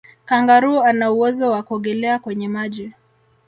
kangaroo ana uwezo wa kuogelea kwenye maji